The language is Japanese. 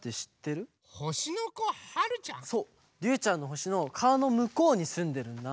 りゅうちゃんのほしのかわのむこうにすんでるんだ。